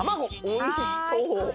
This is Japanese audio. おいしそう。